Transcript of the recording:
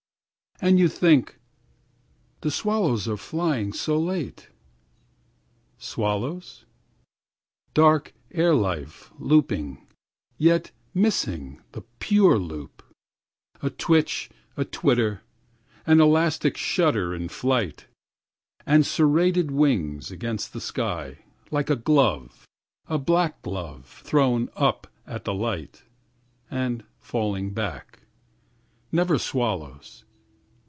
16And you think:17"The swallows are flying so late!"18Swallows?19Dark air life looping20Yet missing the pure loop ...21A twitch, a twitter, an elastic shudder in flight22And serrated wings against the sky,23Like a glove, a black glove thrown up at the light,24And falling back.25Never swallows!